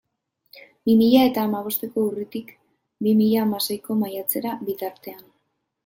Bi mila eta hamabosteko urritik bi mila hamaseiko maiatzera bitartean.